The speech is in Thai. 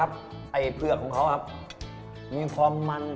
อัพพิเศษเสอร์เหรอครับพูดดิเอปิเศษเสอร์